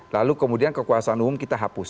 lalu kemudian kekuasaan umum kita hapus